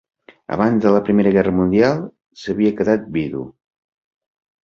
Abans de la primera guerra mundial s'havia quedat vidu.